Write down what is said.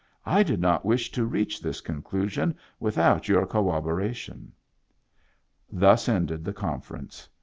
" I did not wish to reach this conclusion without your cor roboration." Thus ended the conference.